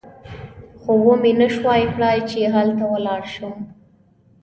خو ومې نه شوای کړای چې هلته ولاړ شم.